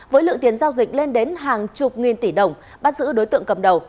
với lượng tiền giao dịch lên đến hàng chục nghìn tỷ đồng bắt giữ đối tượng cầm đầu